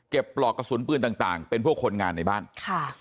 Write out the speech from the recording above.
ปลอกกระสุนปืนต่างต่างเป็นพวกคนงานในบ้านค่ะ